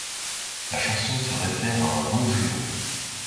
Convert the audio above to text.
La chanson se réfère à un Dom Juan.